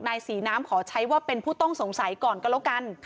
นายศรีน้ำขอใช้ว่าเป็นผู้ต้องสงสัยก่อนก็แล้วกัน